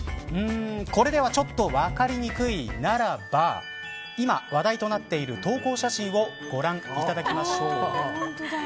これではちょっと分かりにくいならば今話題となっている投稿写真をご覧いただきましょう。